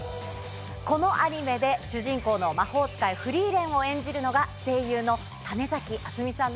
このアニメで主人公の魔法使いフリーレンを演じるのが声優の種敦美さんです。